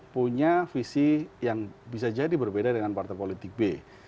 punya visi yang bisa jadi berbeda dengan partai politik b